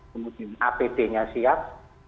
kemudian apd nya siap